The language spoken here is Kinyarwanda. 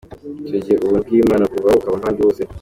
Icyo gihe ubuntu bw’ Imana bukuvaho ukaba nk’abandi bose.